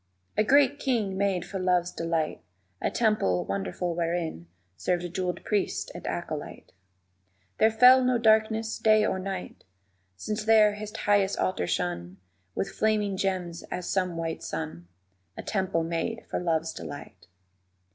_ A great king made for Love's delight A temple wonderful wherein Served jeweled priest and acolyte; There fell no darkness day or night Since there his highest altar shone With flaming gems as some white sun, A temple made for Love's delight.